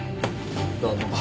どうも。